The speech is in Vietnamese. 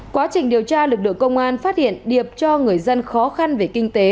quá trình điều tra lực lượng công an phát hiện điệp cho người dân khó khăn về kinh tế